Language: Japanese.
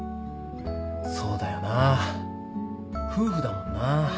そうだよな夫婦だもんな。